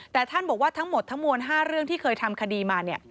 แต่ท่านบอกว่าทั้งหมดทั้งมวล๕เรื่องที่เคยทำคดีมา